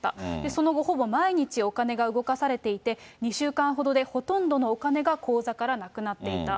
その後、ほぼ毎日お金が動かされていて、２週間ほどでほとんどのお金が口座からなくなっていた。